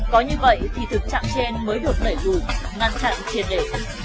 có như vậy thì thực trạng trên mới đột nảy gùi ngăn chặn triệt đề